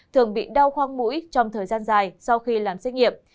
thường bị đau khoang mũi trong thời gian dài sau khi làm xét nghiệm